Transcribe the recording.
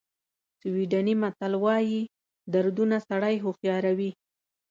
سویډني متل وایي دردونه سړی هوښیاروي.